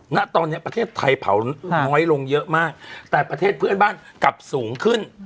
ณตอนนี้ประเทศไทยเผาน้อยลงเยอะมากแต่ประเทศเพื่อนบ้านกลับสูงขึ้น